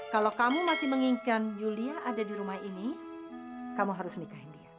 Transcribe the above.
kalau kamu masih menginginkan yulia ada di rumah ini kamu harus nikahin dia